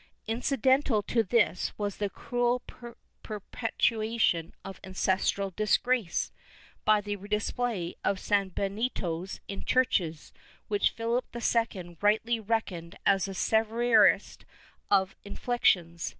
Incidental to this was the cruel perpetuation of ancestral disgrace by the display of sanbenitos in churches, which Phihp II rightly reckoned as the severest of inflictions.